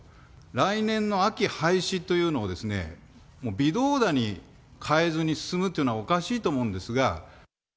来年の秋廃止というのをもう微動だに変えずに進むというのはおかしいと思うんですが。